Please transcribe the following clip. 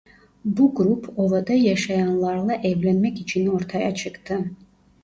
Bu grup ovada yaşayanlarla evlenmek için ortaya çıktı.